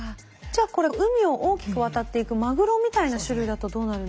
じゃあこれ海を大きく渡っていくマグロみたいな種類だとどうなるんでしょうか？